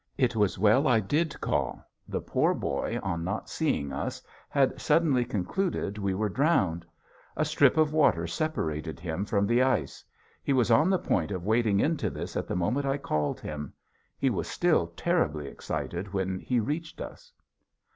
It was well I did call. The poor boy on not seeing us had suddenly concluded we were drowned. A strip of water separated him from the ice. He was on the point of wading into this at the moment I called him. He was still terribly excited when he reached us.